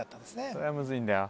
それがむずいんだよ